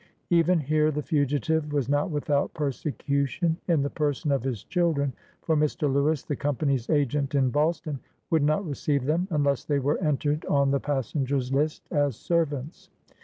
Even here, the fugitive was not without persecution in the person of his children, for Mr, Lewis, the Company's agent in Boston, would not re ceive them unless they were entered on the passenger's list as servants.